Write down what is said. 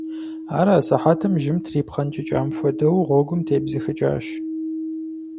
Ар асыхьэтым, жьым трипхъэнкӀыкӀам хуэдэу, гъуэгум тебзэхыкӀащ.